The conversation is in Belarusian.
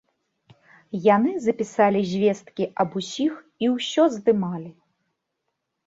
Яны запісалі звесткі аб усіх і ўсё здымалі.